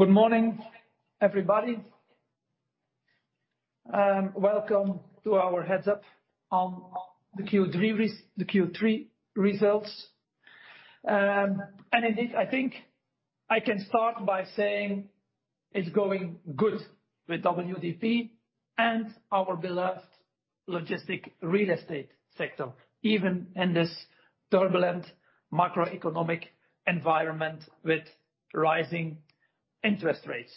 Good morning, everybody. Welcome to our heads-up on the Q3 results. Indeed, I think I can start by saying it's going good with WDP and our beloved logistics real estate sector, even in this turbulent macroeconomic environment with rising interest rates.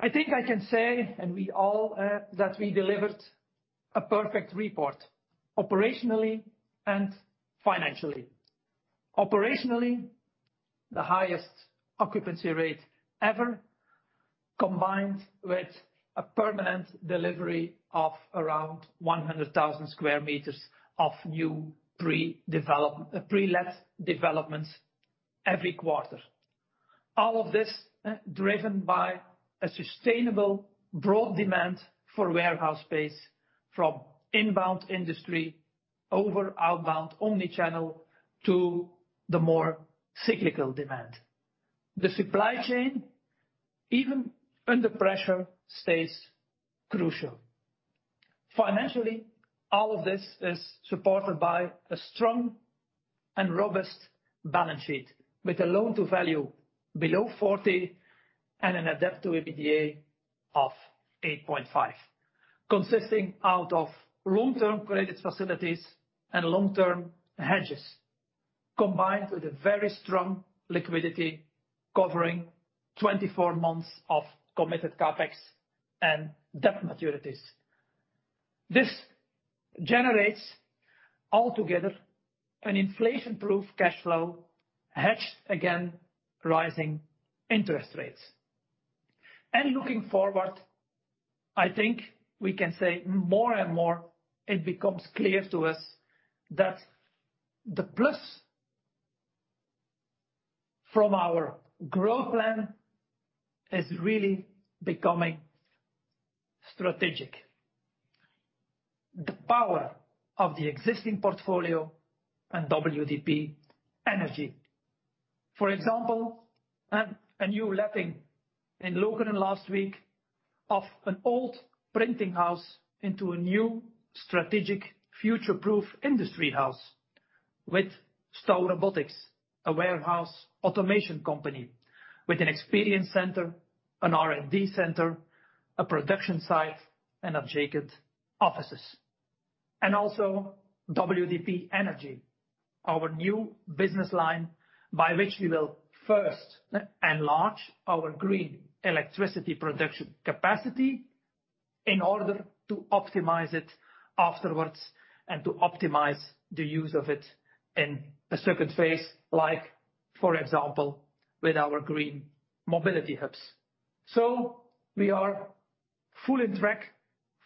I think I can say, and we all, that we delivered a perfect report operationally and financially. Operationally, the highest occupancy rate ever, combined with a permanent delivery of around 100,000 square meters of new pre-let developments every quarter. All of this, driven by a sustainable broad demand for warehouse space from inbound industry over outbound omnichannel to the more cyclical demand. The supply chain, even under pressure, stays crucial. Financially, all of this is supported by a strong and robust balance sheet with a loan-to-value below 40% and a net debt-to-EBITDA of 8.5x, consisting of long-term credit facilities and long-term hedges, combined with a very strong liquidity covering 24 months of committed CapEx and debt maturities. This generates altogether an inflation-proof cash-flow-hedged against rising interest rates. Looking forward, I think we can say more and more it becomes clear to us that the plus from our growth plan is really becoming strategic. The power of the existing portfolio and WDP Energy. For example, a new letting in Lokeren last week of an old printing house into a new strategic future-proof industry house with Stow Robotics, a warehouse automation company with an experience center, an R&D center, a production site, and adjacent offices. Also WDP Energy, our new business line by which we will first enlarge our green electricity production capacity in order to optimize it afterwards and to optimize the use of it in a second phase, like for example, with our green mobility hubs. We are fully on track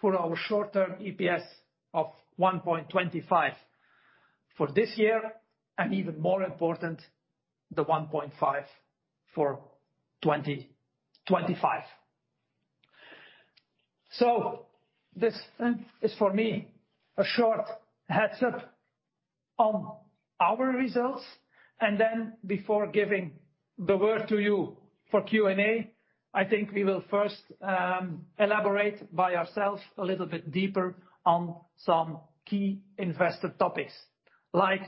for our short-term EPS of 1.25 for this year, and even more important, the 1.5 for 2025. This is for me a short heads-up on our results. Before giving the word to you for Q&A, I think we will first elaborate by ourselves a little bit deeper on some key investor topics. Like,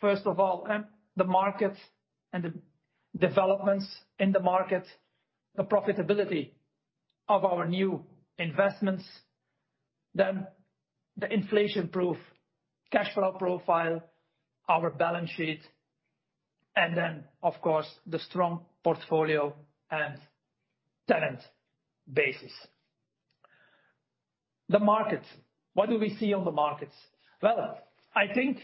first of all, the market and the developments in the market, the profitability of our new investments, then the inflation-proof cash-flow-profile, our balance sheet, and then, of course, the strong portfolio and tenant basis. The markets. What do we see on the markets? Well, I think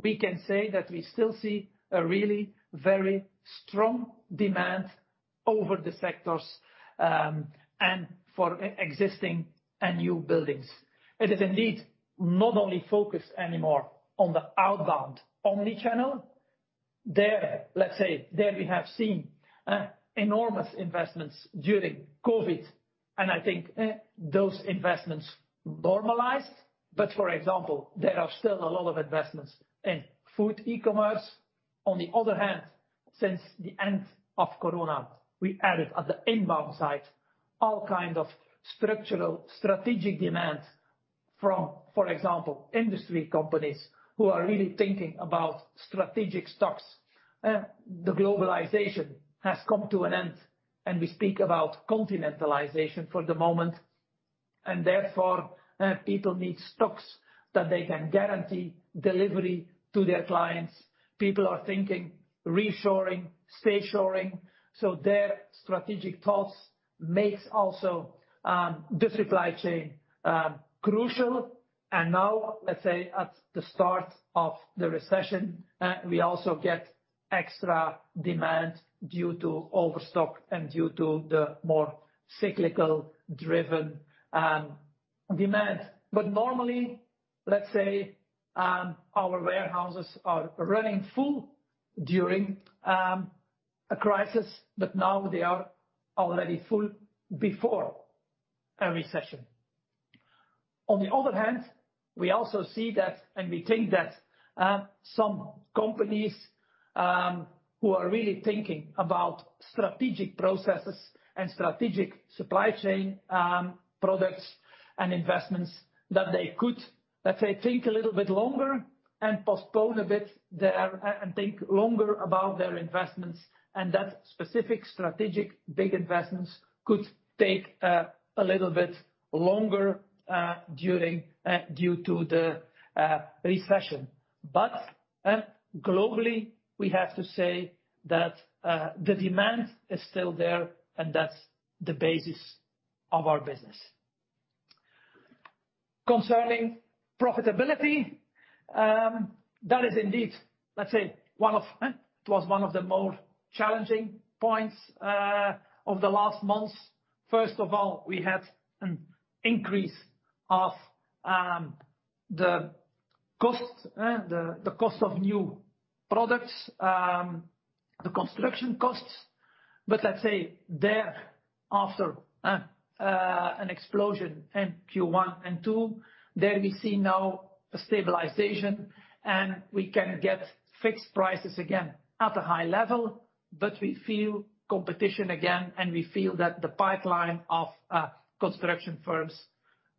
we can say that we still see a really very strong demand over the sectors, and for existing and new buildings. It is indeed not only focused anymore on the outbound omni-channel. There, let's say, there we have seen enormous investments during COVID, and I think those investments normalized. For example, there are still a lot of investments in food e-commerce. On the other hand, since the end of Corona, we added at the inbound side all kind of structural strategic demand from, for example, industry companies who are really thinking about strategic stocks. The globalization has come to an end, and we speak about continentalization for the moment, and therefore, people need stocks that they can guarantee delivery to their clients. People are thinking reshoring, stay-shoring. Their strategic thoughts makes also the supply chain crucial. Now, let's say, at the start of the recession, we also get extra demand due to overstock and due to the more cyclical driven demand. Normally, let's say, our warehouses are running full during a crisis, but now they are already full before a recession. On the other hand, we also see that, and we think that some companies who are really thinking about strategic processes and strategic supply chain products and investments, that they could, let's say, think a little bit longer and postpone a bit and think longer about their investments and that specific strategic big investments could take a little bit longer during due to the recession. Globally, we have to say that the demand is still there, and that's the basis of our business. Concerning profitability, that is indeed, let's say, it was one of the more challenging points of the last months. First of all, we had an increase of the cost of new products, the construction costs. Thereafter, an explosion in Q1 and Q2, there we see now a stabilization, and we can get fixed prices again at a high-level. We feel competition again, and we feel that the pipeline of construction firms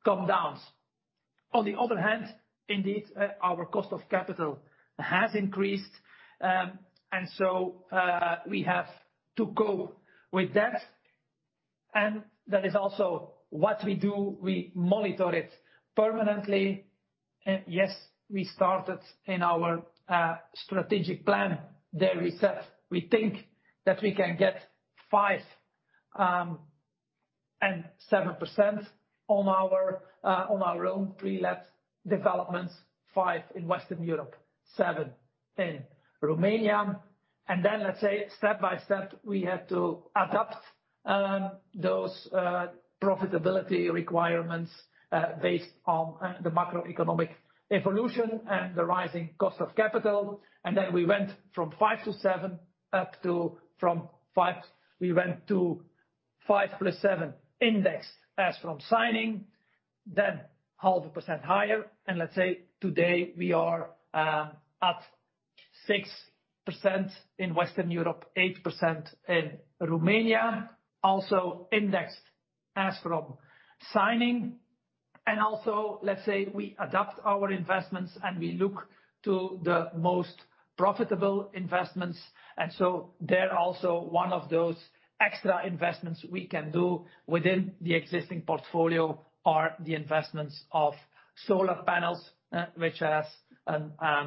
comes down. On the other hand, indeed, our cost of capital has increased, and so we have to go with that. That is also what we do. We monitor it permanently. Yes, we started in our strategic plan. There we said, we think that we can get 5% and 7% on our own pre-let developments, 5% in Western Europe, 7% in Romania. Let's say, step by step, we had to adapt those profitability requirements based on the macroeconomic evolution and the rising cost of capital. We went to 5% plus 7% indexed as from signing, then 0.5% higher. Let's say, today we are at 6% in Western Europe, 8% in Romania, also indexed as from signing. Also, let's say, we adapt our investments, and we look to the most profitable investments. There's also one of those extra investments we can do within the existing portfolio are the investments of solar panels, which has a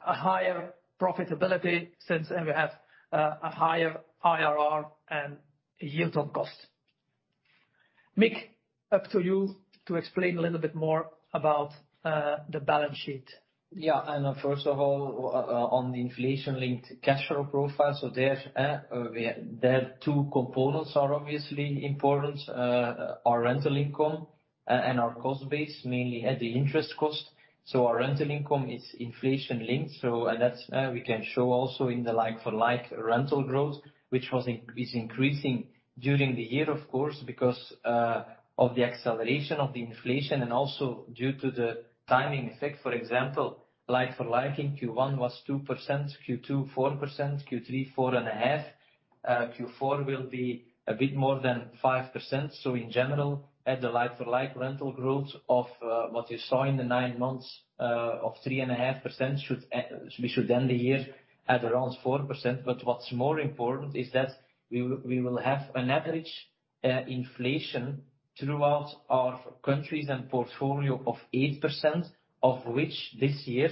higher profitability since we have a higher IRR and yield on cost. Mick, up to you to explain a little bit more about the balance sheet. Yeah. First of all, on the inflation-linked cash-flow-profile. There are two components are obviously important, our rental income, and our cost base, mainly at the interest cost. Our rental income is inflation-linked, and that's we can show also in the like-for-like rental growth, which is increasing during the year, of course, because of the acceleration of the inflation and also due to the timing effect. For example, like-for-like in Q1 was 2%, Q2, 4%, Q3, 4.5%. Q4 will be a bit more than 5%. In general, the like-for-like rental growth of what you saw in the nine months of 3.5% we should end the year at around 4%. What's more important is that we will have an average inflation throughout our countries and portfolio of 8%, of which this year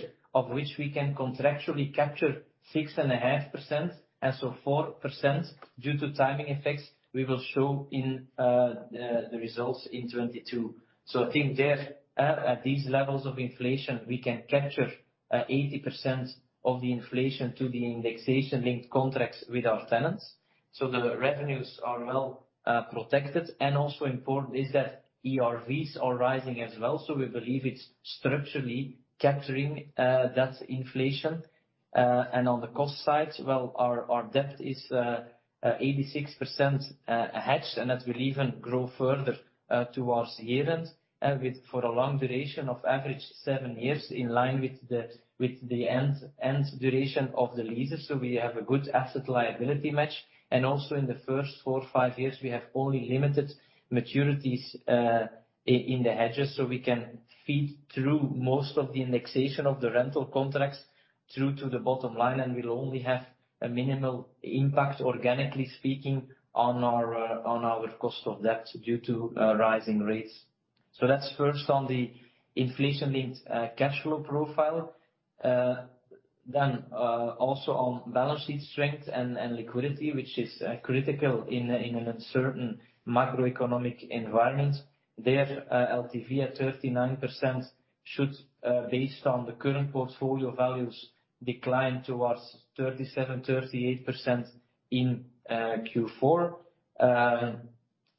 we can contractually capture 6.5%, and so 4% due to timing effects, we will show in the results in 2022. I think there at these levels of inflation, we can capture 80% of the inflation to the indexation-linked contracts with our tenants. The revenues are well-protected. Also important is that ERVs are rising as well. We believe it's structurally capturing that inflation. On the cost side, well, our debt is 86% hedged, and that will even grow further towards year-end with a long duration of average 7 years, in line with the end duration of the leases. We have a good asset liability match. Also in the first 4 or 5 years, we have only limited maturities in the hedges. We can feed through most of the indexation of the rental contracts through to the bottom-line, and we'll only have a minimal impact, organically speaking, on our cost of debt due to rising rates. That's first on the inflation-linked cash-flow-profile. Also on balance sheet strength and liquidity, which is critical in an uncertain macroeconomic environment. There, LTV at 39% should, based on the current portfolio values, decline towards 37%-38% in Q4.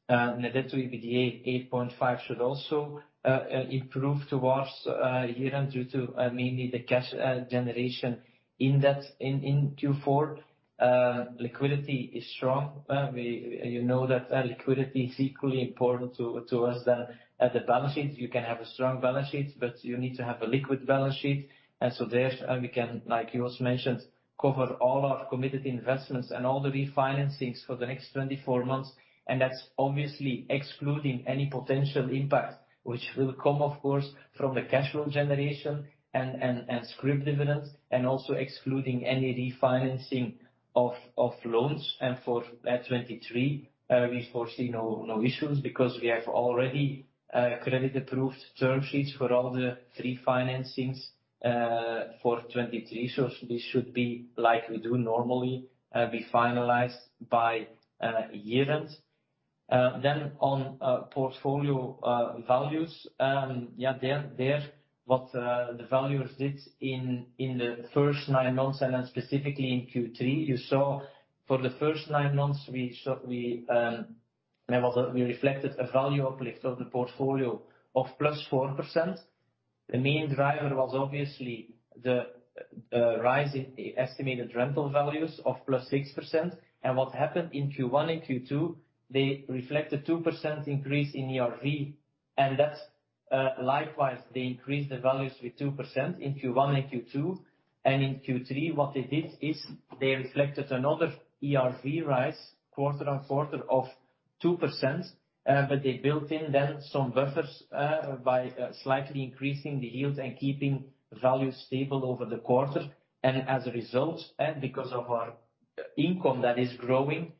net debt to EBITDA 8.5 should also improve towards year-end due to mainly the cash generation in Q4. Liquidity is strong. You know that, liquidity is equally important to us than the balance sheet. You can have a strong balance sheet, but you need to have a liquid balance sheet. There we can, like Joost mentioned, cover all our committed investments and all the refinancings for the next 24 months, and that's obviously excluding any potential impact which will come, of course, from the cash-flow-generation and scrip dividends and also excluding any refinancing of loans. For 2023, we foresee no issues because we have already credit-approved term sheets for all the three financings for 2023. This should be like we do normally be finalized by year-end. On portfolio values, what the valuers did in the first nine months and then specifically in Q3, you saw for the first nine months we reflected a value uplift of the portfolio of +4%. The main driver was obviously the rise in estimated rental values of +6%. What happened in Q1 and Q2, they reflected 2% increase in ERV, and that's likewise, they increased the values with 2% in Q1 and Q2. In Q3 what they did is they reflected another ERV rise quarter-over-quarter of 2%, but they built in then some buffers by slightly increasing the yields and keeping values stable over the quarter. As a result, because of our income that is growing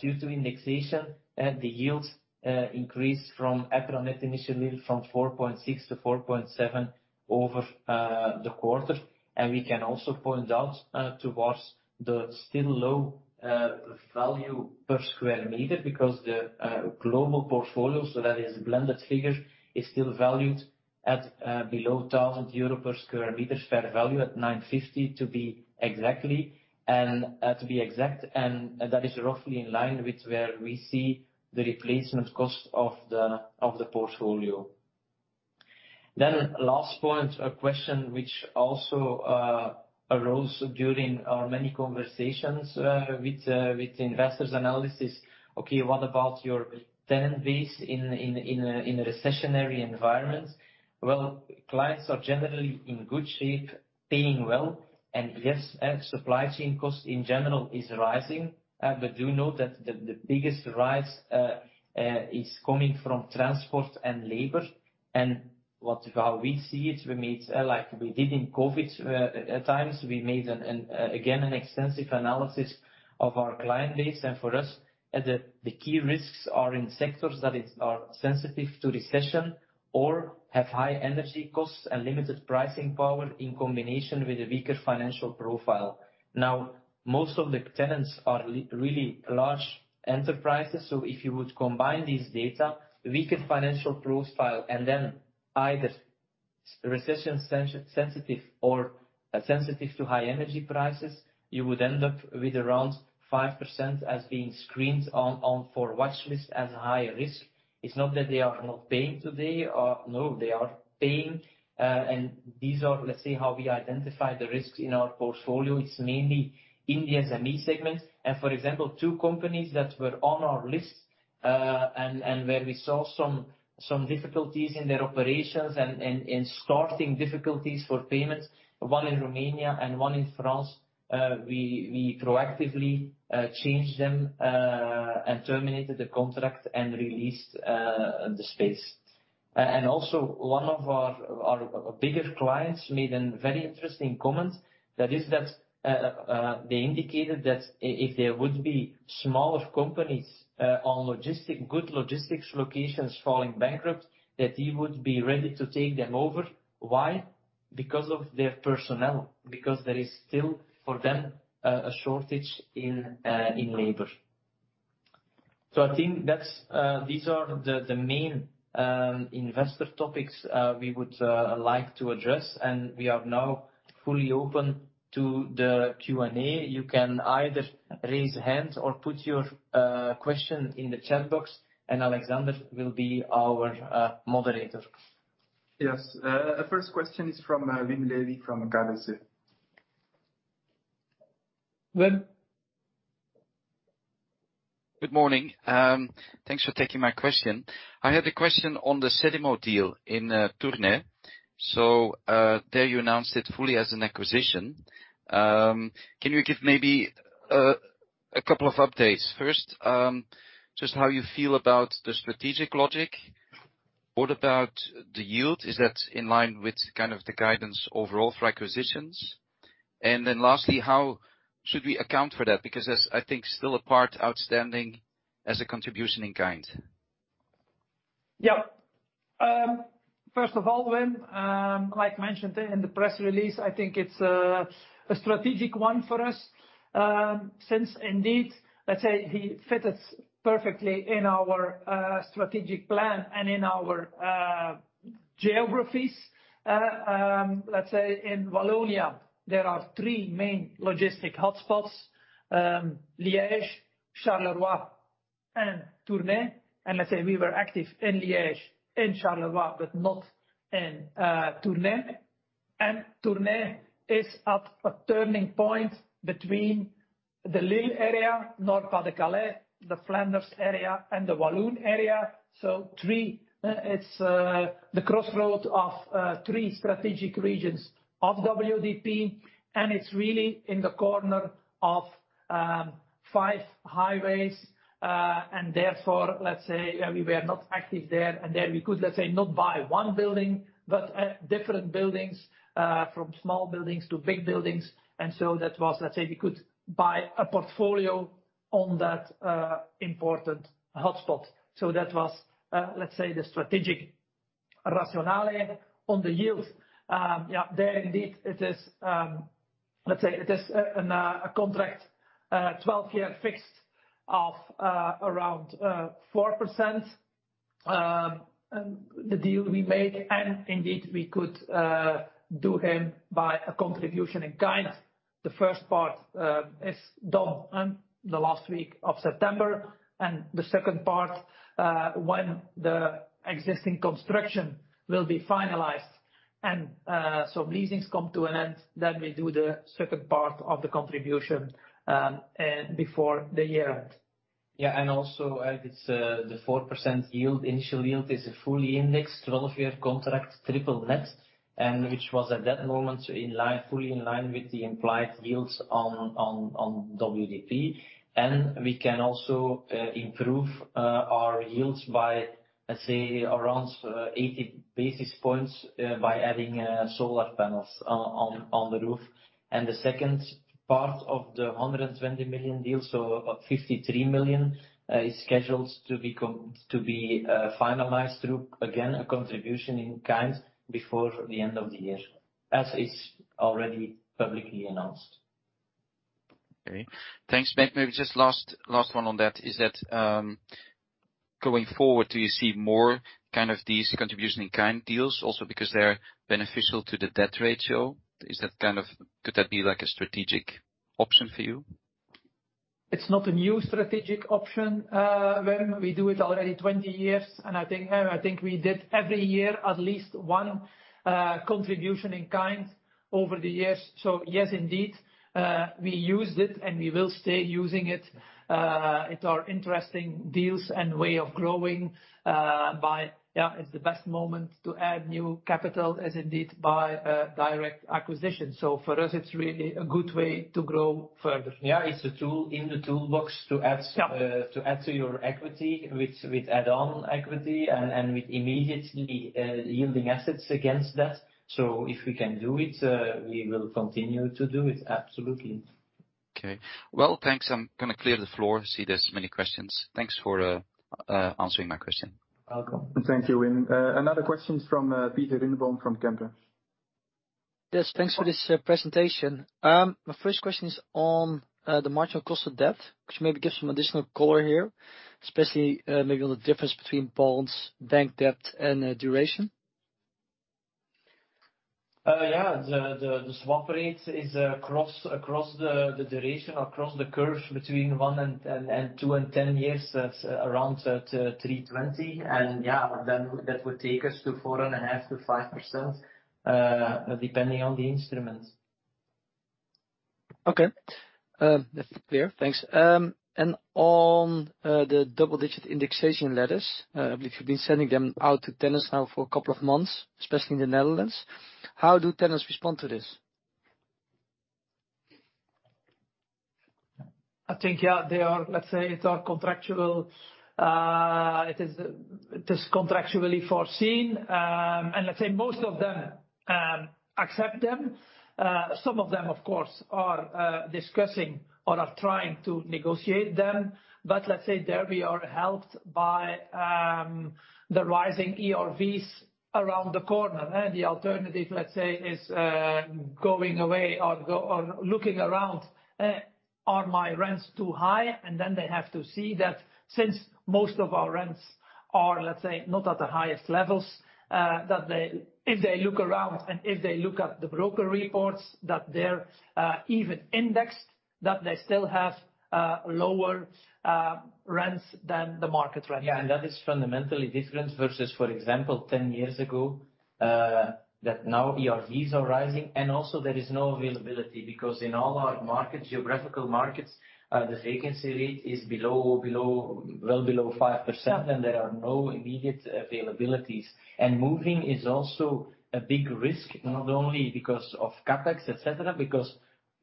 due to indexation, the net initial yield increased from 4.6% to 4.7% over the quarter. We can also point out towards the still low-value per m2 because the global portfolio, so that is a blended figure, is still valued at below 1,000 euro per m2, fair value at 950 exactly, and that is roughly in line with where we see the replacement cost of the portfolio. Last point, a question which also arose during our many conversations with investors and analysts. Okay, what about your tenant base in a recessionary environment? Well, clients are generally in good shape, paying well. Yes, supply chain costs in general are rising. But do note that the biggest rise is coming from transport and labor. How we see it, we made, like we did in COVID times, an extensive analysis of our client base. For us, the key risks are in sectors that are sensitive to recession or have high energy costs and limited pricing power in combination with a weaker financial profile. Now, most of the tenants are really large enterprises, so if you would combine these data, weaker financial profile and then either recession sensitive or sensitive to high energy prices, you would end up with around 5% as being screened on for watchlist as high-risk. It's not that they are not paying today. No, they are paying. These are, let's say, how we identify the risks in our portfolio. It's mainly in the SME segment. For example, two companies that were on our list and where we saw some difficulties in their operations and starting difficulties for payments, one in Romania and one in France, we proactively changed them and terminated the contract and released the space. Also one of our bigger clients made a very interesting comment that they indicated that if there would be smaller companies on good logistics locations falling bankrupt, that he would be ready to take them over. Why? Because of their personnel, because there is still for them a shortage in labor. I think that these are the main investor topics we would like to address, and we are now fully open to the Q&A. You can either raise hand or put your question in the chat box, and Alexander will be our moderator. Yes. First question is from Wim Lewi from KBC. Wim? Good morning. Thanks for taking my question. I had a question on the Cedimo deal in Tournai. There you announced it fully as an acquisition. Can you give maybe a couple of updates? First, just how you feel about the strategic logic. What about the yield? Is that in line with kind of the guidance overall for acquisitions? And then lastly, how should we account for that? Because there's, I think, still a part outstanding as a contribution in kind. Yeah. First of all, Wim, like mentioned in the press release, I think it's a strategic one for us, since indeed, let's say he fits perfectly in our strategic plan and in our geographies. Let's say in Wallonia, there are three main logistics hotspots. Liège, Charleroi, and Tournai. Let's say we were active in Liège and Charleroi, but not in Tournai. Tournai is at a turning point between the Lille area, Nord-Pas-de-Calais, the Flanders area, and the Walloon area. It's the crossroad of three strategic regions of WDP, and it's really in the corner of five highways. Therefore, let's say we were not active there. There we could, let's say, not buy one building, but different buildings from small buildings to big buildings. That was, let's say, we could buy a portfolio on that important hotspot. That was, let's say, the strategic rationale on the yield. Yeah, there indeed it is, let's say it is a contract, 12-year fixed of around 4%. The deal we made, and indeed we could do it by a contribution in kind. The first part is done in the last week of September. The second part, when the existing construction will be finalized and some leases come to an end, then we do the second part of the contribution before the year end. Yeah. Also, it's the 4% yield, initial yield is a fully indexed 12-year contract, triple net, which was at that moment fully in line with the implied yields on WDP. We can also improve our yields by, let's say, around 80 basis points by adding solar panels on the roof. The second part of the 120 million deal, so about 53 million, is scheduled to be finalized through, again, a contribution in kind before the end of the year, as is already publicly announced. Okay. Thanks. Maybe just last one on that. Is that going forward, do you see more kind of these contribution in kind deals also because they're beneficial to the debt ratio? Could that be like a strategic option for you? It's not a new strategic option, Wim. We do it already 20 years, and I think we did every year at least one contribution in kind over the years. Yes, indeed, we used it, and we will stay using it. It are interesting deals and way of growing by. Yeah, it's the best moment to add new capital as indeed by direct acquisition. For us, it's really a good way to grow further. Yeah. It's a tool in the toolbox to add. Yeah. to add to your equity with add-on equity and with immediately yielding assets against that. If we can do it, we will continue to do it. Absolutely. Okay. Well, thanks. I'm gonna clear the floor. See there's many questions. Thanks for answering my question. Welcome. Thank you, Wim. Another question is from Pieter Runneboom from Kempen. Yes. Thanks for this presentation. My first question is on the marginal cost of debt. Could you maybe give some additional color here, especially maybe on the difference between bonds, bank debt and duration? The swap rate is across the duration across the curve between 1 and 2 and 10 years. That's around 3.20. That would take us to 4.5%-5%, depending on the instrument. Okay. That's clear. Thanks. On the double-digit indexation letters, I believe you've been sending them out to tenants now for a couple of months, especially in the Netherlands. How do tenants respond to this? I think, yeah, they are. Let's say it's contractual. It is contractually foreseen. Let's say most of them accept them. Some of them, of course, are discussing or are trying to negotiate them. Let's say there we are helped by the rising ERVs around the corner. The alternative, let's say, is going away or looking around, are my rents too high? They have to see that since most of our rents are, let's say, not at the highest levels, that they. If they look around and if they look at the broker reports that they're even indexed, that they still have lower rents than the market rent. Yeah. That is fundamentally different versus, for example, 10 years ago, that now ERVs are rising and also there is no availability, because in all our markets, geographical markets, the vacancy rate is below, well below 5% and there are no immediate availabilities. Moving is also a big risk, not only because of CapEx, et cetera,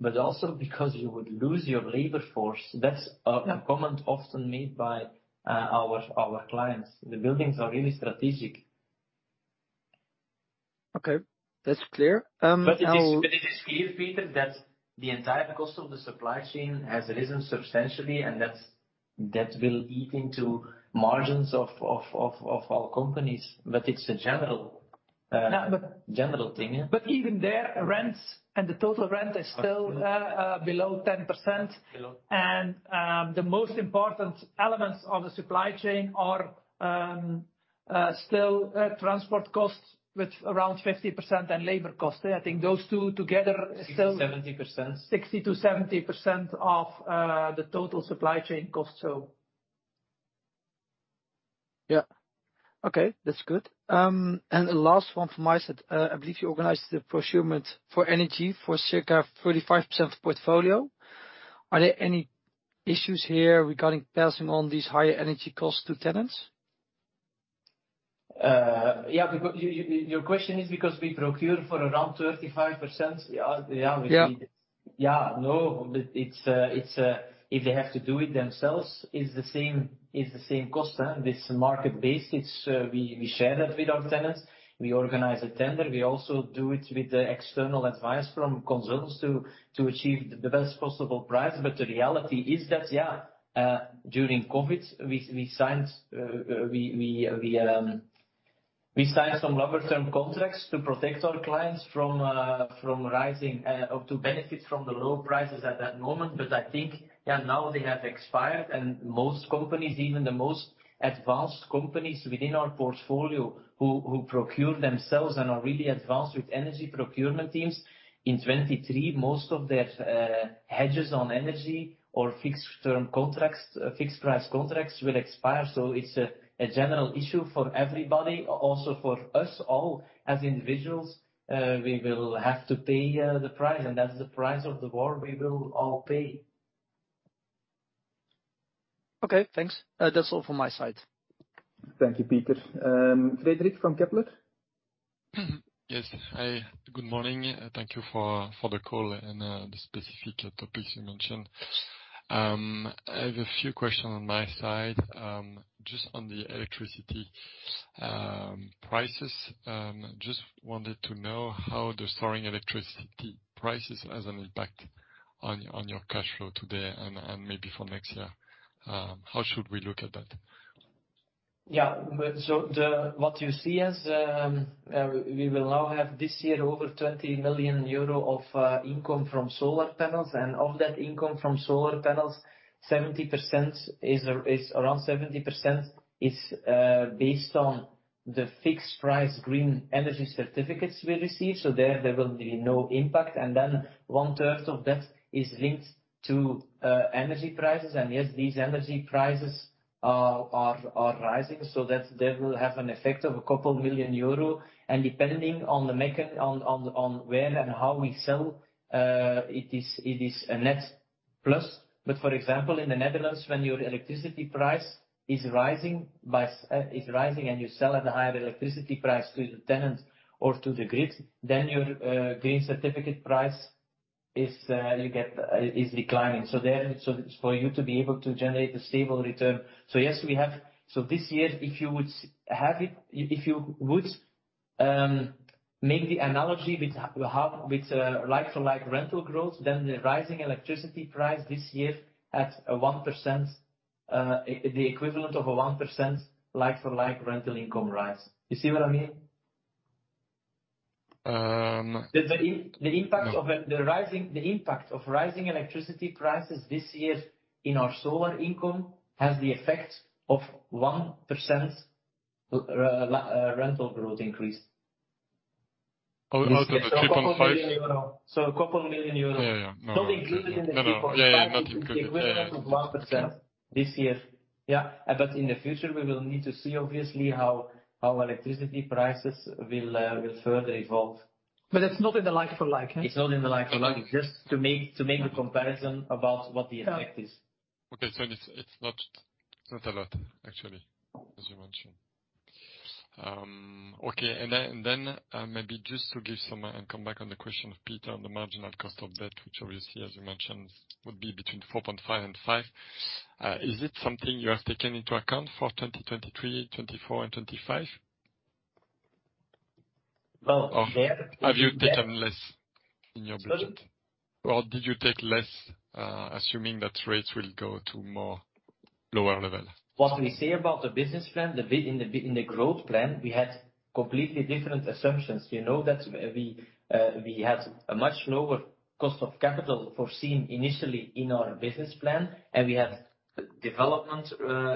but also because you would lose your labor force. That's a comment often made by our clients. The buildings are really strategic. Okay. That's clear. It is clear, Pieter, that the entire cost of the supply chain has risen substantially and that will eat into margins of our companies. It's a general General thing, yeah. Even there, rents and the total rent is still below 10%. Below. The most important elements of the supply chain are still transport costs with around 50% and labor costs. I think those two together is still- 60%-70%. 60%-70% of the total supply chain cost. Yeah. Okay, that's good. The last one from my side. I believe you organized the procurement for energy for circa 35% of the portfolio. Are there any issues here regarding passing on these higher energy costs to tenants? Yeah. Because your question is because we procure for around 35%? Yeah, yeah. Yeah. If they have to do it themselves, it's the same cost, this market-based. We share that with our tenants. We organize a tender. We also do it with the external advice from consultants to achieve the best possible price. The reality is that during COVID, we signed some longer-term contracts to protect our clients from rising or to benefit from the low prices at that moment. I think now they have expired. Most companies, even the most advanced companies within our portfolio, who procure themselves and are really advanced with energy procurement teams, in 2023, most of their hedges on energy or fixed-term contracts, fixed price contracts will expire. It's a general issue for everybody, also for us all as individuals. We will have to pay the price, and that's the price of the war we will all pay. Okay, thanks. That's all from my side. Thank you, Pieter. Frédéric from Kepler? Yes. Hi, good morning. Thank you for the call and the specific topics you mentioned. I have a few questions on my side. Just on the electricity prices. Just wanted to know how the soaring electricity prices has an impact on your cash-flow today and maybe for next year. How should we look at that? What you see as, we will now have this year over 20 million euro of income from solar panels. Of that income from solar panels, around 70% is based on the fixed price green energy certificates we receive. There will be no impact. One third of that is linked to energy prices. Yes, these energy prices are rising. That will have an effect of a couple million EUR. Depending on where and how we sell, it is a net plus. For example, in the Netherlands, when your electricity price is rising and you sell at a higher electricity price to the tenant or to the grid, then your green certificate price is declining. For you to be able to generate a stable return. Yes, we have. This year, if you would make the analogy with like-for-like rental growth, then the rising electricity price this year adds a 1%, the equivalent of a 1% like-for-like rental income rise. You see what I mean? Um. The impact of the No. The impact of rising electricity prices this year in our solar income has the effect of 1% like rental growth increase. Out of the 2.5 a couple million EUR. Yeah, yeah. No. Not included in the 3.5- No, no. Yeah, yeah. Not included. Yeah, yeah. The equivalent of 1% this year. Yeah. In the future we will need to see obviously how electricity prices will further evolve. It's not in the like-for-like, huh? It's not in the like-for-like. Just to make the comparison about what the effect is. Yeah. Okay. It's not a lot actually, as you mentioned. Maybe just to give some and come back on the question of Pieter on the marginal cost of debt, which obviously as you mentioned, would be between 4.5% and 5%. Is it something you have taken into account for 2023, 2024 and 2025? Well. Have you taken less in your budget? Sorry? Did you take less, assuming that rates will go to more lower-level? What we say about the business plan, the bit in the growth plan, we had completely different assumptions. You know that we had a much lower cost of capital foreseen initially in our business plan, and we had development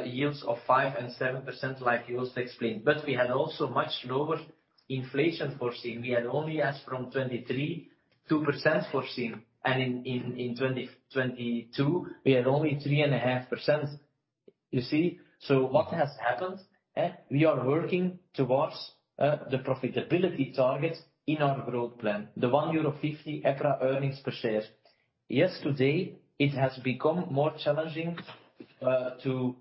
yields of 5% and 7% like Joost explained. We had also much lower inflation foreseen. We had only as from 2023, 2% foreseen. In 2022, we had only 3.5%. You see. What has happened, we are working towards the profitability targets in our growth plan. The €1.50 EPRA earnings per share. Yes, today it has become more challenging to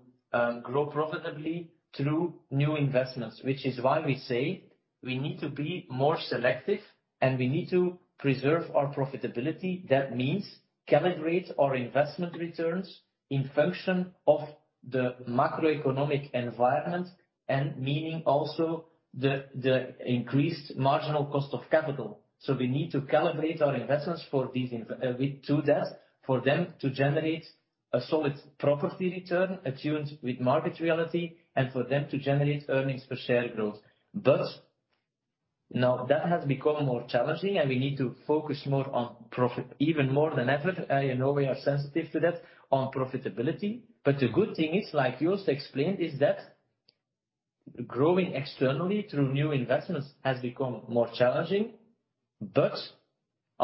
grow profitably through new investments, which is why we say we need to be more selective and we need to preserve our profitability. That means calibrate our investment returns in function of the macroeconomic environment and meaning also the increased marginal cost of capital. We need to calibrate our investments with that for them to generate a solid property return attuned with market reality and for them to generate earnings per share growth. Now that has become more challenging, and we need to focus more on profit even more than ever. I know we are sensitive to that on profitability, but the good thing is, like Joost explained, is that growing externally through new investments has become more challenging.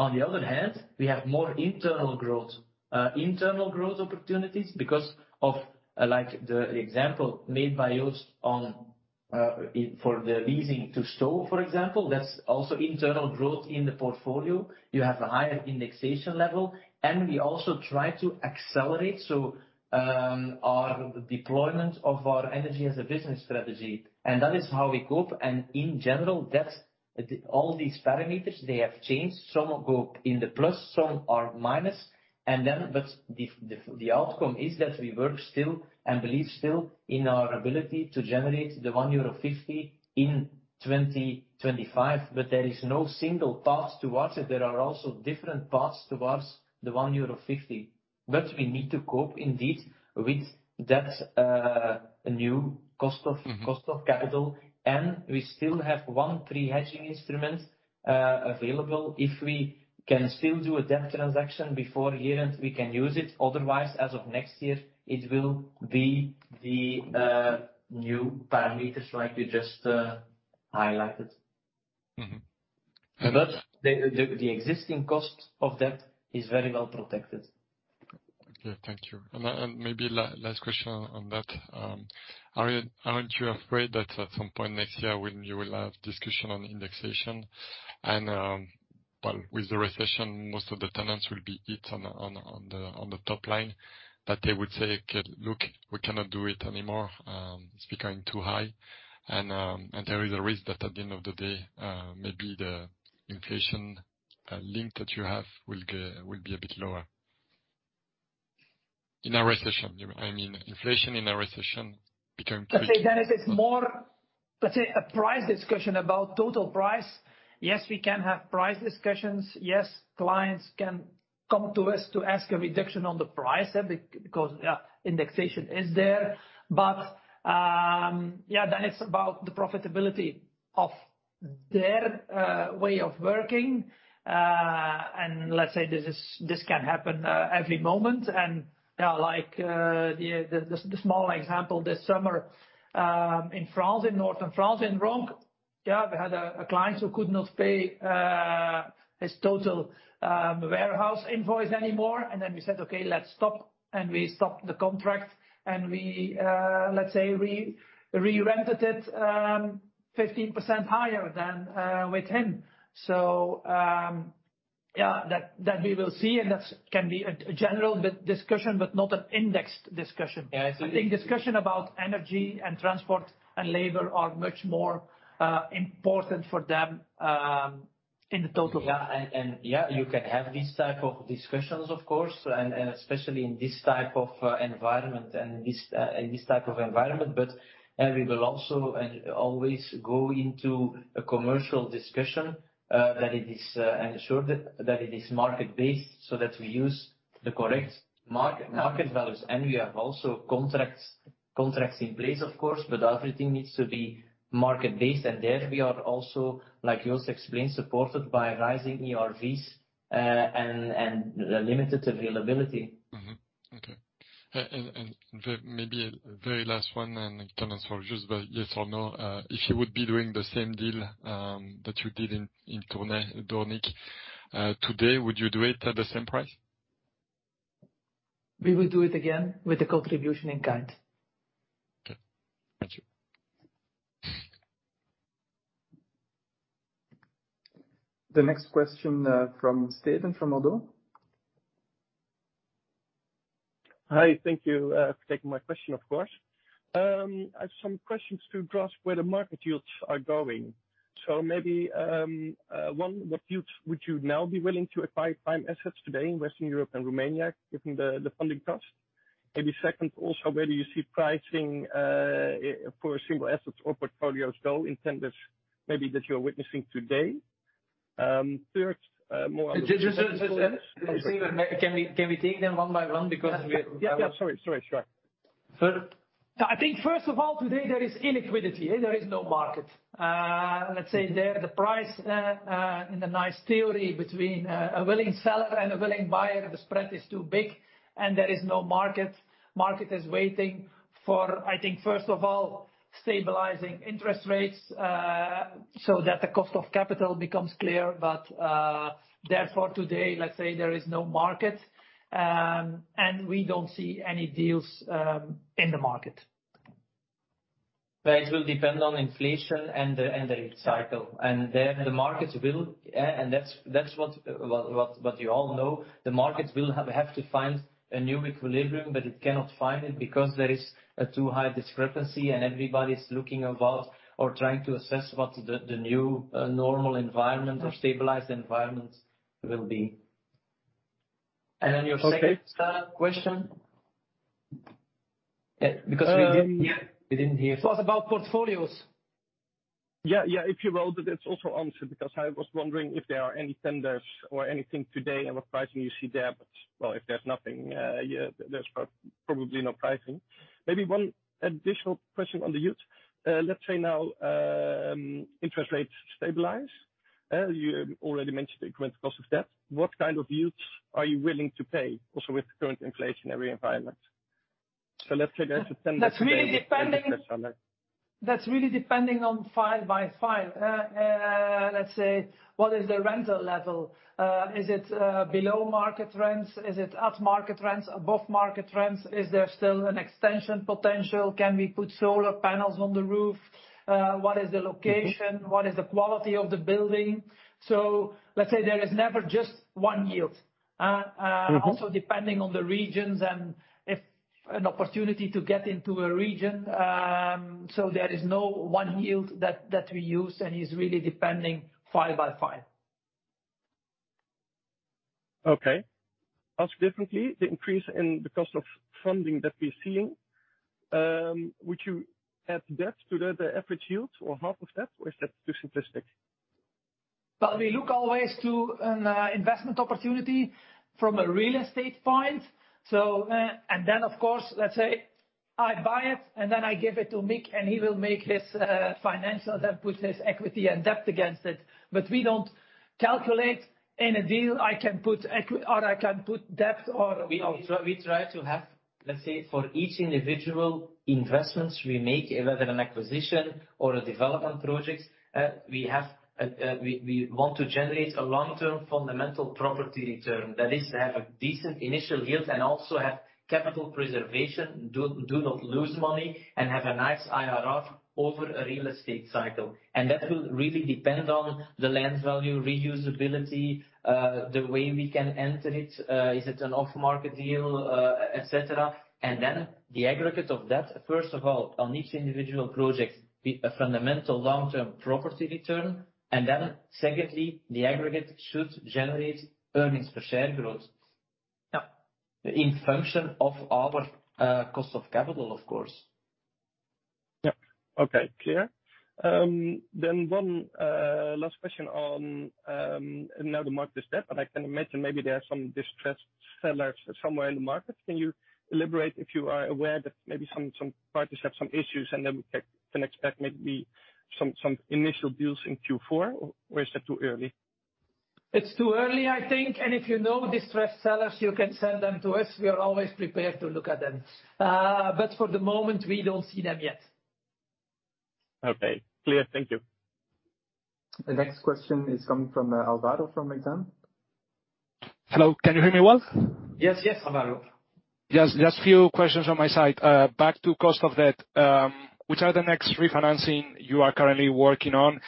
On the other hand, we have more internal growth opportunities because of, like, the example made by Joost on, for the leasing to store, for example. That's also internal growth in the portfolio. You have a higher indexation level, and we also try to accelerate our deployment of our energy as a business strategy, and that is how we cope. In general, that's all these parameters, they have changed. Some go in the plus, some are minus, but the outcome is that we work still and believe still in our ability to generate the €1.50 in 2025. There is no single path towards it. There are also different paths towards the €1.50. We need to cope indeed with that new cost of capital. We still have one pre-hedging instrument available. If we can still do a debt transaction before year-end, we can use it. Otherwise, as of next year, it will be the new parameters like you just highlighted. Mm-hmm. The existing cost of debt is very well-protected. Okay. Thank you. Maybe last question on that. Aren't you afraid that at some point next year when you will have discussion on indexation and, well, with the recession, most of the tenants will be hit on the top-line, that they would say, "Look, we cannot do it anymore. It's becoming too high." There is a risk that at the end of the day, maybe the inflation link that you have will be a bit lower. In a recession, I mean, inflation in a recession becoming too Let's say it is more, let's say, a price discussion about total price. Yes, we can have price discussions. Yes, clients can come to us to ask a reduction on the price because, yeah, indexation is there. Yeah, then it's about the profitability of their way of working. Let's say this can happen every moment. Yeah, like, the small example this summer, in France, in northern France, in Roncq, yeah, we had a client who could not pay his total warehouse invoice anymore. Then we said, "Okay, let's stop." We stopped the contract. We, let's say, re-rented it 15% higher than with him. Yeah, that we will see, and that can be a general discussion but not an indexed discussion. Yeah. I think. I think discussion about energy and transport and labor are much more important for them in the total. Yeah. You can have these type of discussions, of course, especially in this type of environment. We will also always go into a commercial discussion that it is ensured that it is market-based so that we use the correct market values. We have also contracts in place, of course, but everything needs to be market-based. There we are also, like Joost explained, supported by rising ERVs and limited availability. Okay. Maybe a very last one, and Thomas, for just yes or no. If you would be doing the same deal that you did in Tournai, Doornik, today, would you do it at the same price? We would do it again with a contribution in kind. Okay. Thank you. The next question, from Steven from ODDO. Hi. Thank you for taking my question, of course. I have some questions to grasp where the market yields are going. Maybe one, what yields would you now be willing to acquire prime assets today in Western Europe and Romania, given the funding cost? Maybe second, also, where do you see pricing for single assets or portfolios go in terms of maybe that you're witnessing today? Third, more on the- Just, Steven, can we take them one by one because we're- Yeah. Sorry. I think first of all, today there is illiquidity. There is no market. Let's say the price in theory between a willing seller and a willing buyer, the spread is too big, and there is no market. The market is waiting for, I think, first of all, stabilizing interest rates so that the cost of capital becomes clear. Therefore, today, let's say there is no market, and we don't see any deals in the market. It will depend on inflation and the rate cycle. There the markets will and that's what you all know. The markets will have to find a new equilibrium, but it cannot find it because there is a too high discrepancy, and everybody's looking about or trying to assess what the new normal environment or stabilized environment will be. Then your second question? Yeah, because we didn't hear. It was about portfolios. Yeah. If you will, but it's also answered because I was wondering if there are any tenders or anything today and what pricing you see there. Well, if there's nothing, yeah, there's probably no pricing. Maybe one additional question on the yield. Let's say now, interest rates stabilize. You already mentioned the current cost of debt. What kind of yields are you willing to pay also with the current inflationary environment? Let's say there's a 10%- That's really depending on deal by deal. Let's say, what is the rental level? Is it below market rents? Is it at market rents? Above market rents? Is there still an extension potential? Can we put solar panels on the roof? What is the location? Mm-hmm. What is the quality of the building? Let's say there is never just one yield. Mm-hmm... also depending on the regions and if an opportunity to get into a region, so there is no one yield that we use and is really depending deal by deal. Okay. Ask differently, the increase in the cost of funding that we're seeing, would you add debt to the average yield or half of that, or is that too simplistic? Well, we look always to an investment opportunity from a real estate point. Of course, let's say I buy it and then I give it to Mick, and he will make his financial then put his equity and debt against it. We don't calculate in a deal I can put debt or. We try to have, let's say, for each individual investments we make, whether an acquisition or a development project, we want to generate a long-term fundamental property return. That is to have a decent initial yield and also have capital preservation, do not lose money, and have a nice IRR over a real estate cycle. That will really depend on the land value, reusability, the way we can enter it, is it an off-market deal, et cetera. The aggregate of that, first of all, on each individual project, be a fundamental long-term property return. Secondly, the aggregate should generate earnings per share growth. Yeah. In function of our cost of capital, of course. Yeah. Okay. Clear. One last question on now the market is dead, but I can imagine maybe there are some distressed sellers somewhere in the market. Can you elaborate if you are aware that maybe some parties have some issues and then we can expect maybe some initial deals in Q4, or is that too early? It's too early, I think. If you know distressed sellers, you can send them to us. We are always prepared to look at them. For the moment, we don't see them yet. Okay. Clear. Thank you. The next question is coming from Alvaro from Exane. Hello, can you hear me well? Yes, yes, Alvaro. Just few questions on my side. Back to cost of debt. Which are the next refinancing you are currently working on?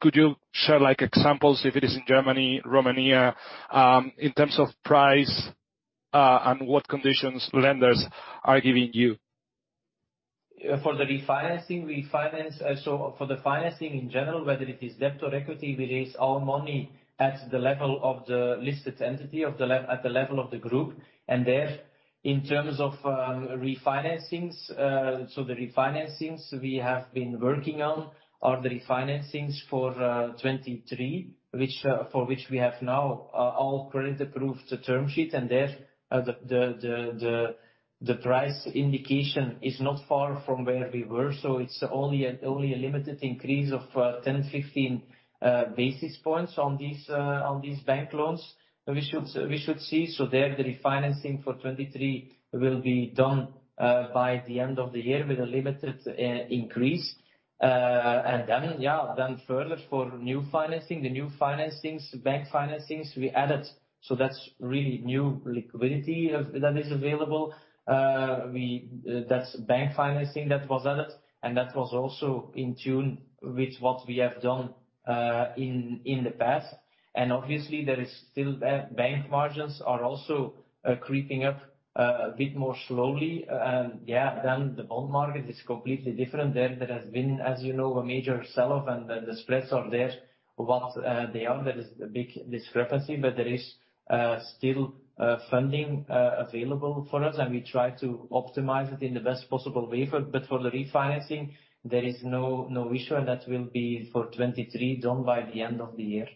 Could you share, like, examples, if it is in Germany, Romania, in terms of price, and what conditions lenders are giving you? For the financing in general, whether it is debt or equity, we raise all money at the level of the listed entity at the level of the group. There, in terms of refinancings, the refinancings we have been working on are the refinancings for 2023, for which we have now all credit approved the term sheet, and there, the price indication is not far from where we were. It's only a limited increase of 10, 15 basis points on these bank loans. We should see, there the refinancing for 2023 will be done by the end of the year with a limited increase. Then further for new financing, the new financings, bank financings we added. That's really new liquidity that is available. That's bank financing that was added, and that was also in tune with what we have done in the past. Obviously, there is still bank margins are also creeping up a bit more slowly than the bond market is completely different. There has been, as you know, a major sell-off and the spreads are there. There is a big discrepancy, but there is still funding available for us, and we try to optimize it in the best possible way. But for the refinancing, there is no issue, and that will be for 2023 done by the end of the year.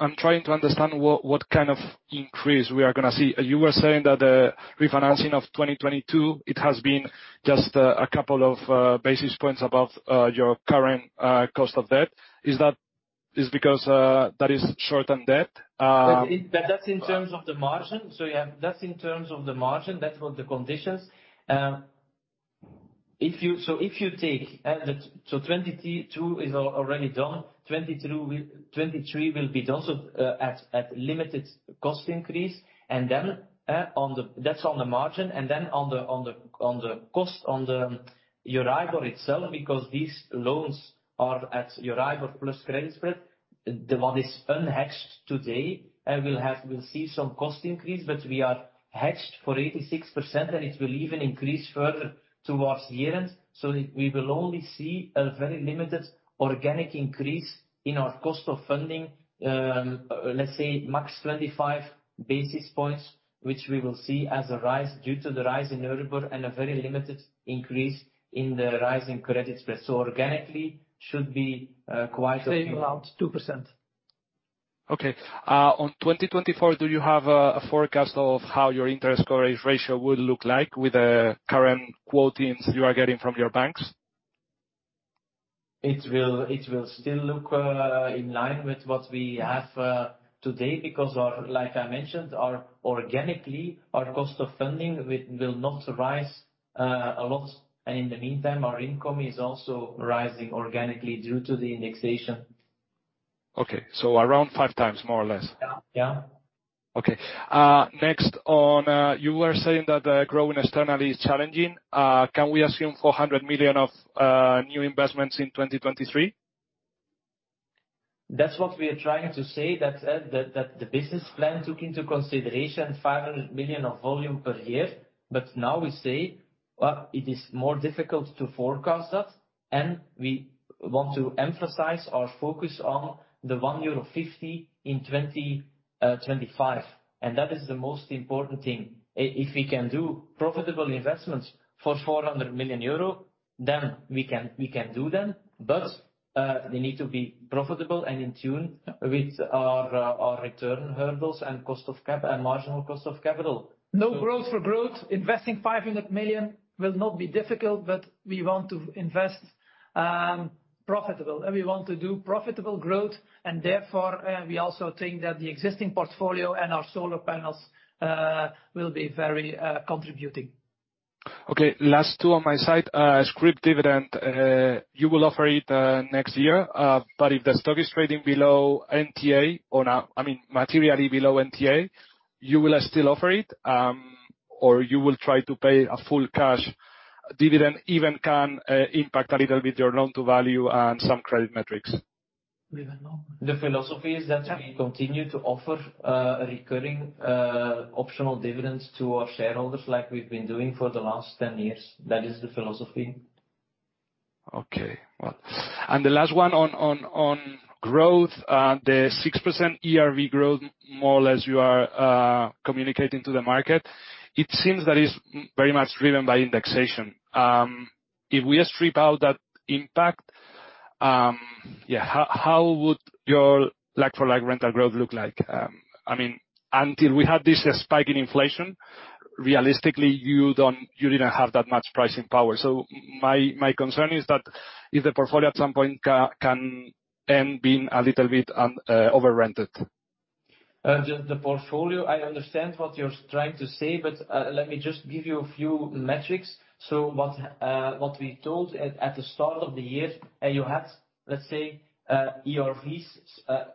I'm trying to understand what kind of increase we are gonna see. You were saying that the refinancing of 2022, it has been just a couple of basis points above your current cost of debt. Is that because that is shortened debt? That's in terms of the margin. Yeah, that's in terms of the margin. That's for the conditions. If you take, 2022 is already done. 2023 will be done at limited cost increase, and then that's on the margin, and then on the cost, on the EURIBOR itself, because these loans are at EURIBOR plus credit spread. The one is unhedged today, and we'll see some cost increase, but we are hedged for 86%, and it will even increase further towards the end. We will only see a very limited organic increase in our cost of funding, let's say max 25 basis points, which we will see as a rise due to the rise in EURIBOR and a very limited increase in the rise in credit spread. Organically should be quite. Same around 2%. Okay. On 2024, do you have a forecast of how your interest coverage ratio would look like with the current quotes you are getting from your banks? It will still look in line with what we have today, because, like I mentioned, our cost of funding will not rise organically a lot. In the meantime, our income is also rising organically due to the indexation. Okay. Around 5 times more or less. Yeah, yeah. Okay. Next, you were saying that growing externally is challenging. Can we assume 400 million of new investments in 2023? That's what we are trying to say, that the business plan took into consideration 500 million of volume per year. Now we say, well, it is more difficult to forecast that, and we want to emphasize our focus on the 1.50 euro in 2025. That is the most important thing. If we can do profitable investments for 400 million euro, then we can do them. They need to be profitable and in tune- Yeah. with our return hurdles and marginal cost of capital. No growth for growth. Investing 500 million will not be difficult, but we want to invest profitably, and we want to do profitable growth. We also think that the existing portfolio and our solar panels will be very contributing. Okay, last two on my side. Scrip dividend, you will offer it next year. If the stock is trading below NTA, I mean, materially below NTA, you will still offer it, or you will try to pay a full cash dividend, even if it can impact a little bit your loan-to-value and some credit metrics. We don't know. The philosophy is that. Yeah. We continue to offer recurring optional dividends to our shareholders like we've been doing for the last 10 years. That is the philosophy. Okay. Well, the last one on growth, the 6% ERV growth more or less you are communicating to the market, it seems that is very much driven by indexation. If we strip out that impact, yeah, how would your like-for-like rental growth look like? I mean, until we had this spike in inflation, realistically, you didn't have that much pricing power. My concern is that if the portfolio at some point can end being a little bit over-rented. The portfolio, I understand what you're trying to say, but let me just give you a few metrics. What we told at the start of the year, and you had, let's say, ERVs,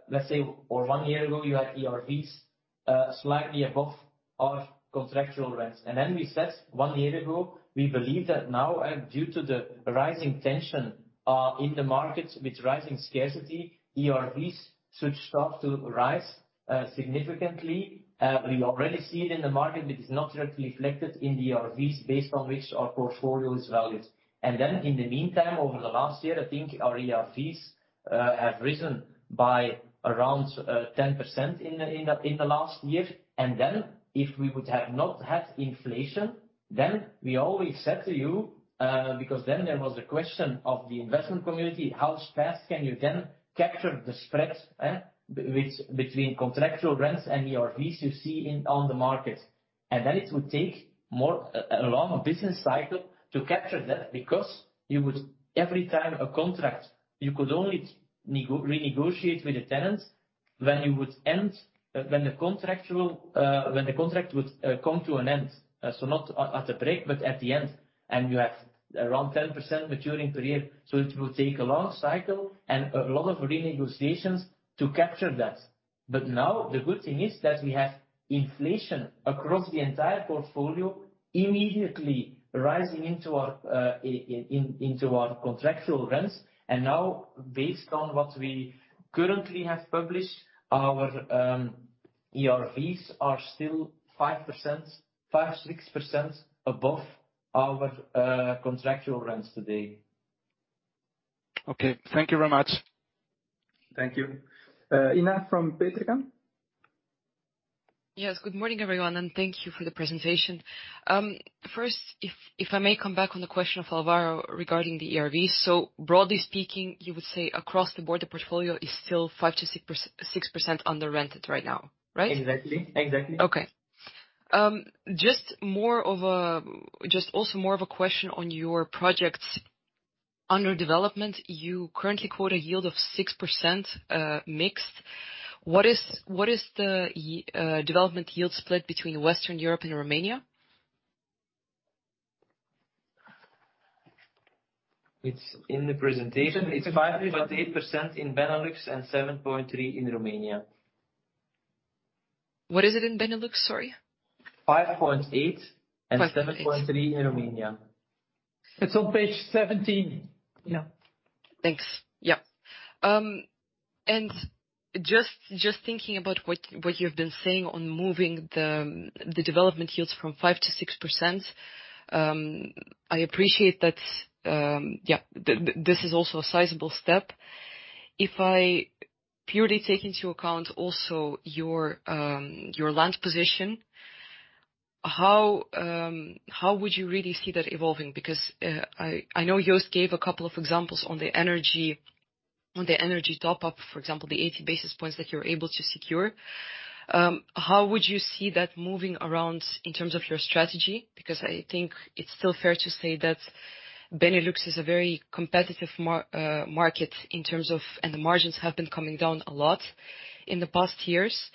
let's say or one year ago, you had ERVs slightly above our contractual rents. We said one year ago, we believe that now and due to the rising tension in the markets with rising scarcity, ERVs should start to rise significantly. We already see it in the market, but it's not yet reflected in the ERVs based on which our portfolio is valued. In the meantime, over the last year, I think our ERVs have risen by around 10% in the last year. If we would have not had inflation, we always said to you, because there was a question of the investment community, how fast can you then capture the spreads between contractual rents and ERVs you see on the market? It would take a longer business cycle to capture that because you would every time a contract, you could only renegotiate with the tenants when the contract would come to an end. Not at a break, but at the end. You have around 10% maturing per year. It will take a long cycle and a lot of renegotiations to capture that. Now the good thing is that we have inflation across the entire portfolio immediately rising into our contractual rents. Now, based on what we currently have published, our ERVs are still 5%-6% above our contractual rents today. Okay. Thank you very much. Thank you. Ina from Petercam. Yes. Good morning, everyone, and thank you for the presentation. First, if I may come back on the question of Alvaro regarding the ERV. Broadly speaking, you would say across the board, the portfolio is still 5%-6% under rented right now, right? Exactly. Exactly. Okay. Just also more of a question on your projects under development. You currently quote a yield of 6%, mixed. What is the development yield split between Western Europe and Romania? It's in the presentation. It's 5.8% in Benelux and 7.3% in Romania. What is it in Benelux? Sorry. 5.8 5.8. 7.3% in Romania. It's on page 17, Ina. Thanks. Yeah. Just thinking about what you've been saying on moving the development yields from 5%-6%, I appreciate that. This is also a sizable step. If I purely take into account your land position, how would you really see that evolving? Because I know Joost gave a couple of examples on the energy top-up, for example, the 80 basis points that you're able to secure. How would you see that moving around in terms of your strategy? Because I think it's still fair to say that Benelux is a very competitive market in terms of the margins have been coming down a lot in the past years.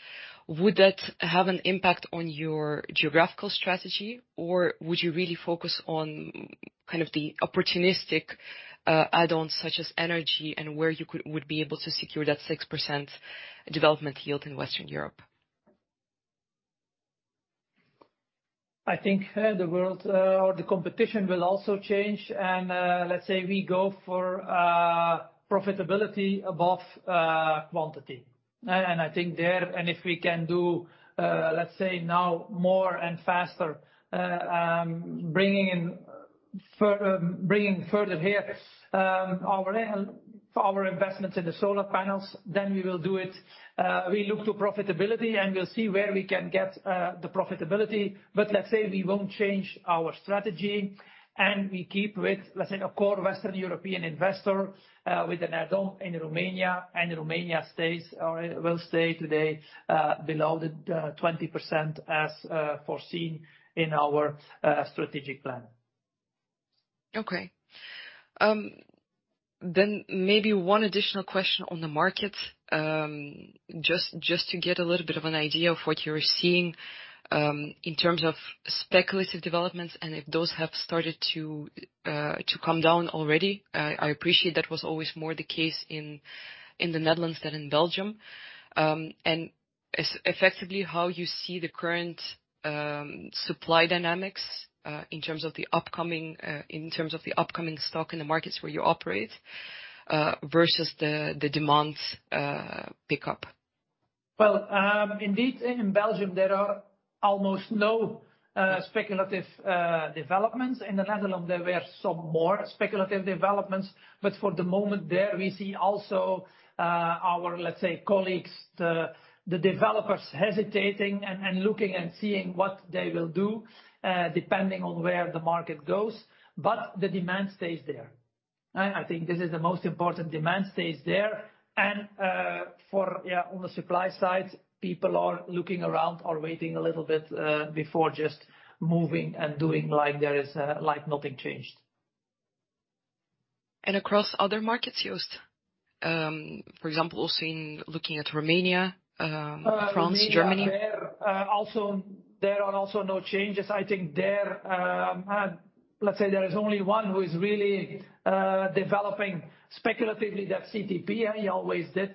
Would that have an impact on your geographical strategy, or would you really focus on kind of the opportunistic add-ons such as energy and where you would be able to secure that 6% development yield in Western Europe? I think the world or the competition will also change. Let's say we go for profitability above quantity. I think there, and if we can do, let's say now more and faster, bringing further here for our investments in the solar panels, then we will do it. We look to profitability, and we'll see where we can get the profitability. Let's say we won't change our strategy, and we keep with, let's say, a core Western European investor with an add-on in Romania. Romania stays or will stay today below the 20% as foreseen in our strategic plan. Okay. Maybe one additional question on the market, just to get a little bit of an idea of what you're seeing in terms of speculative developments and if those have started to come down already. I appreciate that was always more the case in the Netherlands than in Belgium. Effectively, how you see the current supply dynamics in terms of the upcoming stock in the markets where you operate versus the demand pickup. Well, indeed, in Belgium, there are almost no speculative developments. In the Netherlands, there were some more speculative developments. For the moment there, we see also our, let's say, colleagues, the developers hesitating and looking and seeing what they will do, depending on where the market goes. The demand stays there. I think this is the most important, demand stays there. For, yeah, on the supply side, people are looking around or waiting a little bit, before just moving and doing like there is like nothing changed. Across other markets, Joost, for example, also in looking at Romania, France, Germany. Romania, there also no changes. I think there, let's say there is only one who is really developing speculatively. That's CTP, and he always did.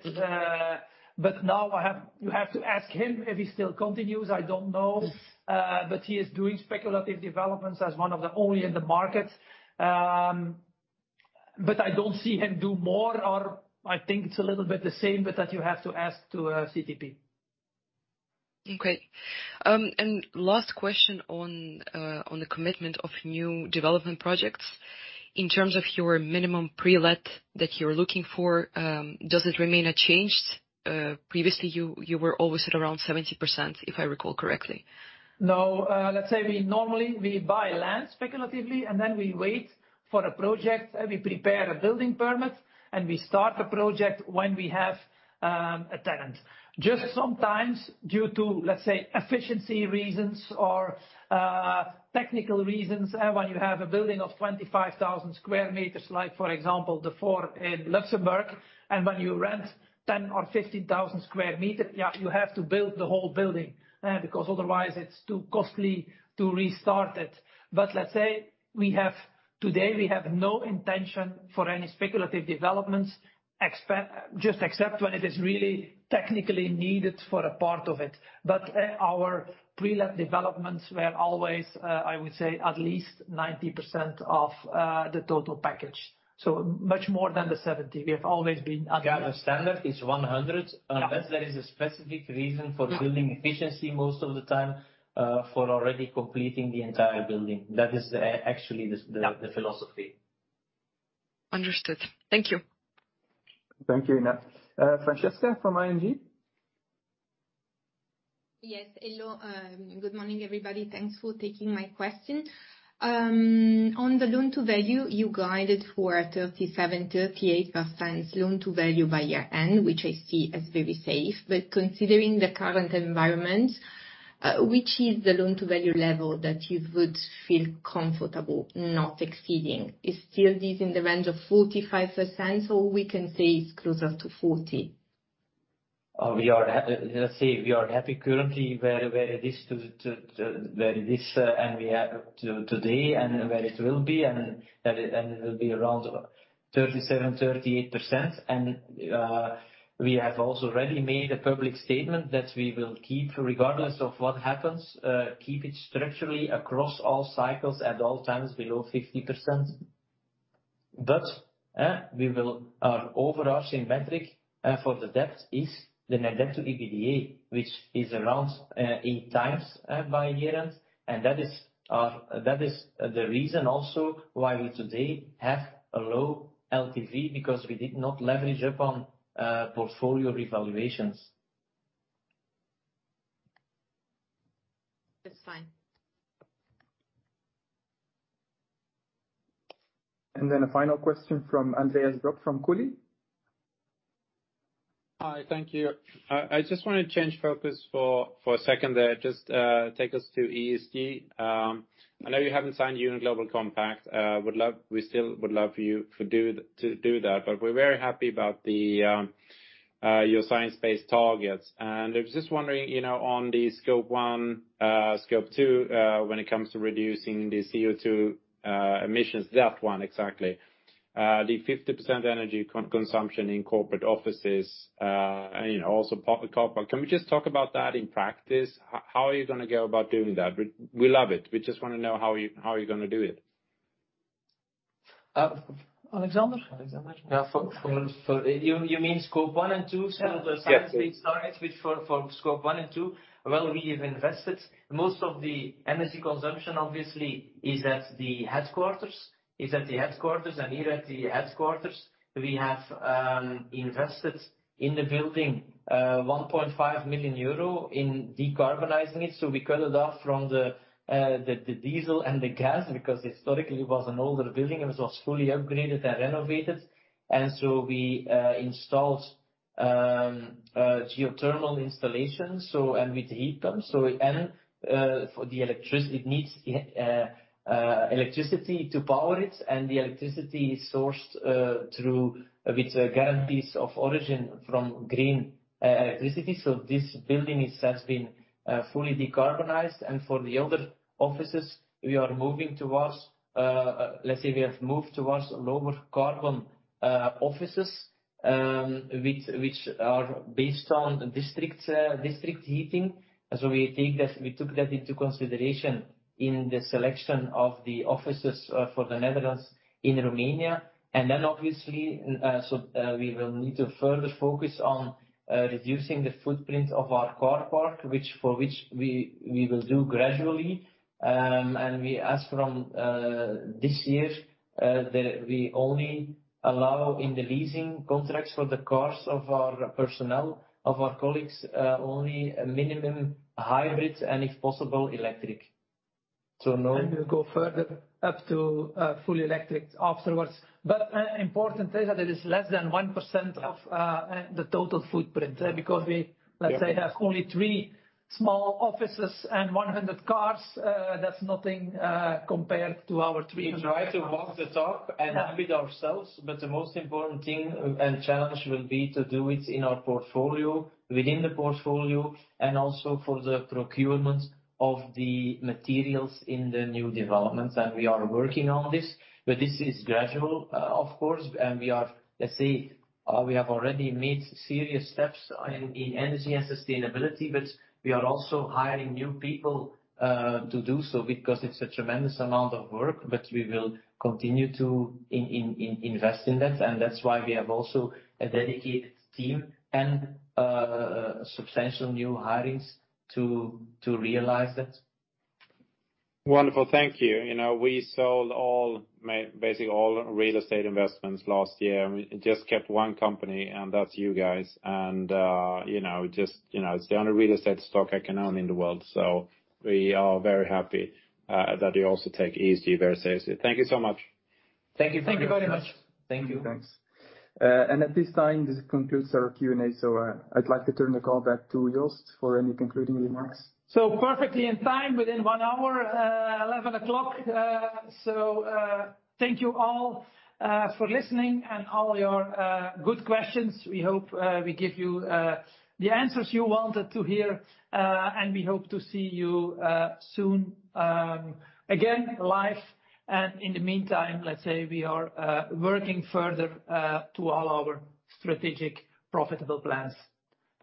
Now you have to ask him if he still continues. I don't know. He is doing speculative developments as one of the only in the market. I don't see him do more or I think it's a little bit the same, but that you have to ask to CTP. Okay. Last question on the commitment of new development projects. In terms of your minimum pre-let that you're looking for, does it remain unchanged? Previously, you were always at around 70%, if I recall correctly. No. Let's say we normally buy land speculatively, and then we wait for a project, and we prepare a building permit, and we start the project when we have a tenant. Just sometimes due to, let's say, efficiency reasons or technical reasons, when you have a building of 25,000 square meters, like for example, the four in Luxembourg, and when you rent 10 or 15,000 square meters, you have to build the whole building, because otherwise it's too costly to restart it. Let's say we have. Today, we have no intention for any speculative developments just except when it is really technically needed for a part of it. Our pre-let developments were always, I would say, at least 90% of the total package. Much more than the seventy. We have always been at the- Yeah, the standard is 100. Yeah. Unless there is a specific reason for building efficiency most of the time, for already completing the entire building. That is actually the philosophy. Understood. Thank you. Thank you, Ina. Francesca from ING? Yes. Hello. Good morning, everybody. Thanks for taking my question. On the loan-to-value, you guided for a 37%-38% loan-to-value by year-end, which I see as very safe. Considering the current environment, which is the loan-to-value level that you would feel comfortable not exceeding? Is still this in the range of 45%, or we can say it's closer to 40%? We are happy currently where it is, and we have today and where it will be and that it will be around 37%-38%. We have also already made a public statement that we will keep regardless of what happens, keep it structurally across all cycles at all times below 50%. We will. Our overarching metric for the debt is the net debt to EBITDA, which is around 8x by year-end. That is the reason also why we today have a low LTV because we did not leverage upon portfolio revaluations. That's fine. A final question from Andreas Brock from Coeli. Hi. Thank you. I just wanna change focus for a second there. Just take us to ESG. I know you haven't signed UN Global Compact. We still would love for you to do that. We're very happy about your Science Based Targets. I was just wondering, you know, on the Scope 1, Scope 2, when it comes to reducing the CO2 emissions. That one exactly. The 50% energy consumption in corporate offices, and, you know, also corporate. Can we just talk about that in practice? How are you gonna go about doing that? We love it. We just wanna know how you, how you're gonna do it. Alexander? Alexander. Yeah. You mean Scope 1 and 2? Yeah. The science-based targets which for Scope 1 and 2. Well, we have invested most of the energy consumption obviously is at the headquarters. Here at the headquarters, we have invested in the building 1.5 million euro in decarbonizing it. We cut it off from the diesel and the gas, because historically it was an older building, and it was fully upgraded and renovated. We installed geothermal installations with heat pumps. It needs electricity to power it, and the electricity is sourced with guarantees of origin from green electricity. This building has been fully decarbonized. For the older offices we are moving towards, let's say we have moved towards lower-carbon offices, which are based on district heating. We took that into consideration in the selection of the offices for the Netherlands and Romania. We will need to further focus on reducing the footprint of our car park, for which we will do gradually. We ask from this year that we only allow in the leasing contracts for the cars of our personnel, of our colleagues, only a minimum hybrid and if possible, electric. We'll go further up to full electric afterwards. Important is that it is less than 1% of the total footprint, because we, let's say, have only three small offices and 100 cars, that's nothing compared to our 300,000. We try to walk the talk and audit ourselves, but the most important thing and challenge will be to do it in our portfolio, within the portfolio, and also for the procurement of the materials in the new developments. We are working on this, but this is gradual, of course. We are, let's say, we have already made serious steps in energy and sustainability, but we are also hiring new people to do so because it's a tremendous amount of work. We will continue to invest in that. That's why we have also a dedicated team and substantial new hirings to realize that. Wonderful. Thank you. You know, we sold basically all real estate investments last year, and we just kept one company, and that's you guys. You know, just, you know, it's the only real estate stock I can own in the world. We are very happy that you also take ESG very seriously. Thank you so much. Thank you very much. Thank you very much. Thank you. Thanks. At this time, this concludes our Q&A. I'd like to turn the call back to Joost for any concluding remarks. Perfectly in time, within one hour, eleven o'clock. Thank you all for listening and all your good questions. We hope we give you the answers you wanted to hear. We hope to see you soon again, live. In the meantime, let's say we are working further to all our strategic profitable plans.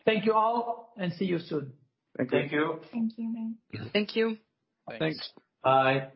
Thank you all, and see you soon. Thank you. Thank you. Thanks. Bye.